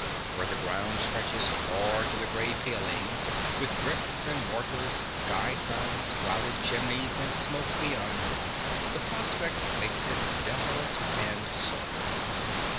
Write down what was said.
Where the ground stretches far to the grey palings, with bricks and mortar, sky signs, crowded chimneys and smoke beyond, the prospect makes it desolate and sordid.